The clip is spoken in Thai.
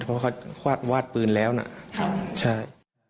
เพราะว่าเขาวาดปืนแล้วนะใช่